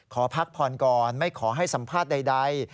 ขอพักผ่อนก่อนไม่ขอให้สัมภาษณ์ใด